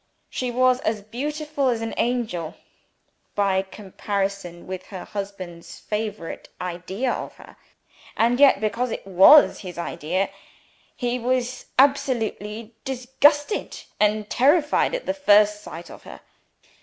She was as beautiful as an angel, by comparison with her husband's favorite idea of her and yet, because it was his idea, he was absolutely disgusted and terrified at the first sight of her!